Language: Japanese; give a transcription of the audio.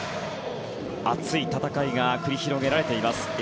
熱い戦いが繰り広げられています。